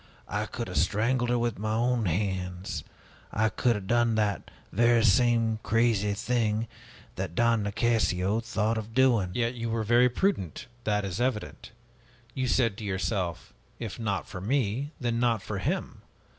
I could have strangled her with my own hands! I could have done that very same crazy thing that Don Nicasio thought of doing!" "Yet you were very prudent, that is evident. You said to yourself: 'If not for me, then not for him!'